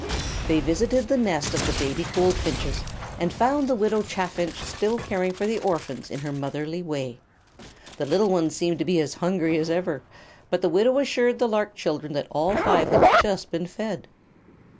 They visited the nest of the baby goldfinches, and found the Widow Chaffinch still caring for the orphans in her motherly way. The little ones seemed to be as hungry as ever, but the widow assured the lark children that all five had just been fed.